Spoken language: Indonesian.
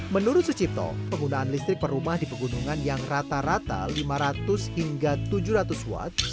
menurut sucipto penggunaan listrik per rumah di pegunungan yang rata rata lima ratus hingga tujuh ratus watt